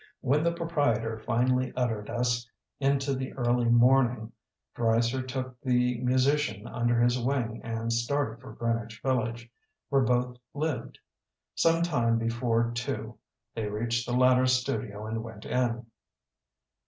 When the proprietor finally uttered us into the early morning Dreiser took the musician under his wing and start ed for Greenwich Village, where both lived. Some time before two they reached the latter's studio and went in.